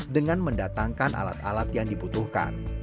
dengan mendatangkan alat alat yang dibutuhkan